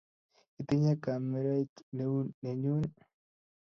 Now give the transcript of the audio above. Itinye kamerait neu nenyu